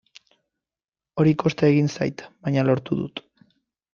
Hori kosta egin zait, baina lortu dut.